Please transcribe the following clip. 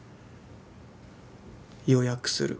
「予約する」。